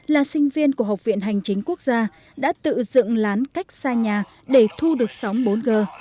là sinh viên của học viện hành chính quốc gia đã tự dựng lán cách xa nhà để thu được sóng bốn g